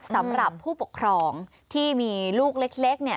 สำหรับผู้ปกครองที่มีลูกเล็กเนี่ย